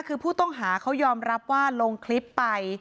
คือผู้ต้องหาเขายอมรับว่าลงคลิปไป